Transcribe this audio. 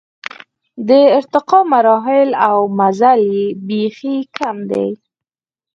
د ارتقا مراحل او مزل یې بېخي کم دی.